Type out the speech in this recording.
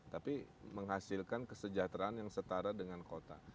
tapi menghasilkan kesejahteraan yang setara dengan kota